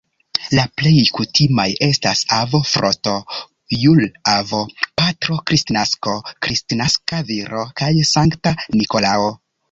La plej kutimaj estas "Avo Frosto", "Jul-Avo", "Patro Kristnasko", "Kristnaska Viro" kaj "Sankta Nikolao".